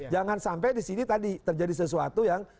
jangan sampai disini tadi terjadi sesuatu yang